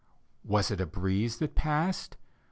. Was it a breeze that passed?